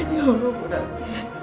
ya allah bu rati